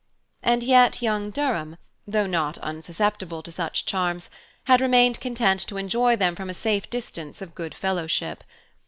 And yet young Durham, though not unsusceptible to such charms, had remained content to enjoy them from a safe distance of good fellowship.